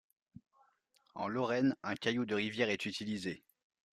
En Lorraine, un caillou de rivière est utilisé.